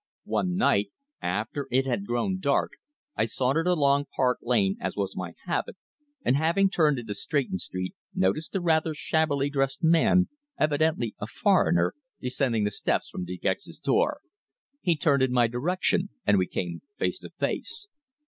One night, after it had grown dark, I sauntered along Park Lane, as was my habit, and having turned into Stretton Street noticed a rather shabbily dressed man, evidently a foreigner, descending the steps from De Gex's door. He turned in my direction, and we came face to face.